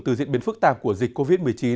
từ diễn biến phức tạp của dịch covid một mươi chín